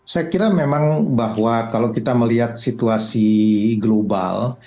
saya kira memang bahwa kalau kita melihat situasi global